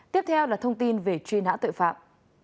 tiếp theo là thông tin về truy nã tội phạm